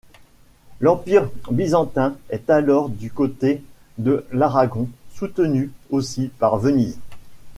L'Empire byzantin est alors du côté de l'Aragon, soutenu aussi par Venise.